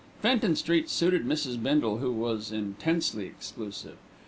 Fenton Street suited Mrs. Bindle, who was intensely exclusive.